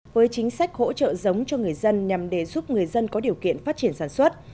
với chính sách hỗ trợ giống cho người dân nhằm để giúp người dân có điều kiện phát triển sản xuất